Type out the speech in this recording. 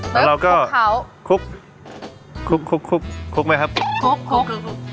แล้วเราก็เขาคลุกคลุกคลุกไหมครับคลุกคลุก